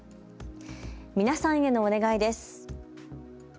皆さんへのお願いです。